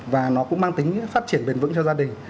và nó cũng mang tính phát triển bền vững cho gia đình